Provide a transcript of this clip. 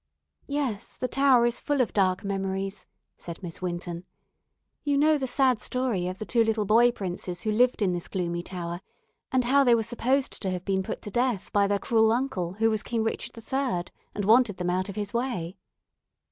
"Yes, the Tower is full of dark memories," said Miss Winton. "You know the sad story of the two little boy princes who lived in this gloomy Tower, and how they were supposed to have been put to death by their cruel uncle, who was King Richard III., and wanted them out of his way.